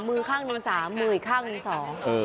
มือข้างหนึ่งสามมืออีกข้างหนึ่งสอง